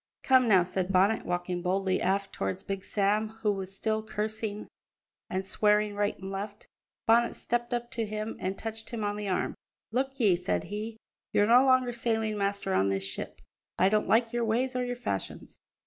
"Come now," said Bonnet, walking boldly aft towards Big Sam, who was still cursing and swearing right and left. Bonnet stepped up to him and touched him on the arm. "Look ye," said he, "you're no longer sailing master on this ship; I don't like your ways or your fashions.